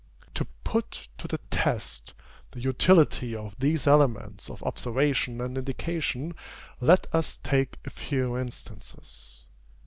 To put to the test the utility of these elements of observation and indication, let us take a few instances.